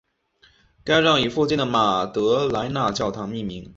该站以附近的马德莱娜教堂命名。